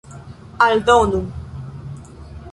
aldonu